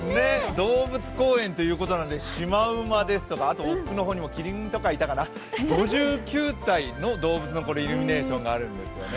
動物公園ということなので、シマウマですとかあと奥の方にもキリンとかいたかな、５９体の動物のイルミネーションがあるんです。